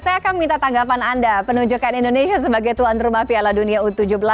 saya akan minta tanggapan anda penunjukkan indonesia sebagai tuan rumah piala dunia u tujuh belas dua ribu dua puluh tiga